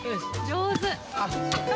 上手！